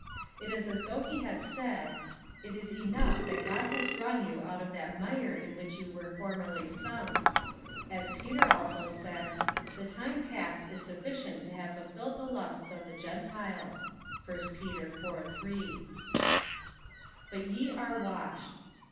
It is as though he had said :" It' is enough that God has drawn you out of that mire in which you were formerly sunk ;" as Peter also says, " The time past is sufficient to have fulfilled the lusts of the Gentiles." (1 Pet. iv. 8.) But ye are washed.